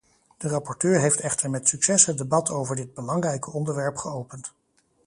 De rapporteur heeft echter met succes het debat over dit belangrijke onderwerp geopend.